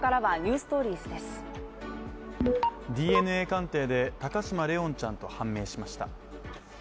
ＤＮＡ鑑定で高嶋怜音ちゃんと判明しました。